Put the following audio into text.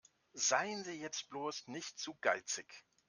Seien Sie jetzt bloß nicht zu geizig.